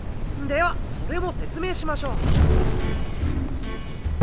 ではそれも説明しましょう。